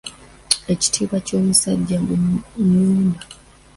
Ekitiibwa ky’omusajja nnyumba.